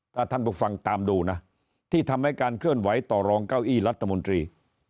ถ้าท่านผู้ฟังตามดูนะที่ทำให้การเคลื่อนไหวต่อรองเก้าอี้รัฐมนตรี